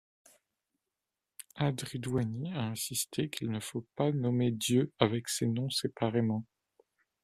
Al Ridwany a insisté qu'il ne faut pas nommer Dieu avec ces noms séparément.